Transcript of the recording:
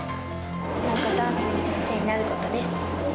ダンスの先生になることです。